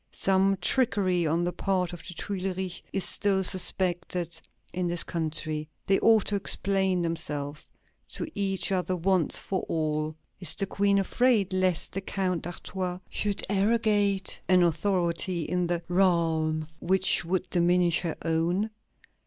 Some trickery on the part of the Tuileries is still suspected in this country. They ought to explain themselves to each other once for all. Is the Queen afraid lest the Count d'Artois should arrogate an authority in the realm which would diminish her own?